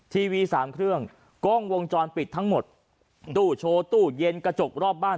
ทีวีสามเครื่องกล้องวงจรปิดทั้งหมดตู้โชว์ตู้เย็นกระจกรอบบ้าน